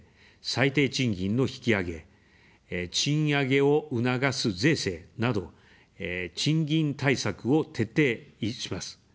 最低賃金の引き上げ、賃上げを促す税制など賃金対策を徹底します。